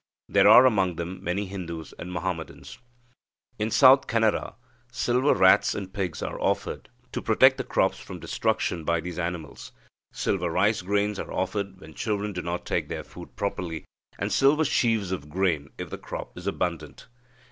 There are among them many Hindus and Mahomedans." In South Canara, silver rats and pigs are offered to protect the crops from destruction by these animals. Silver rice grains are offered when children do not take their food properly, and silver sheaves of grain if the crop is abundant.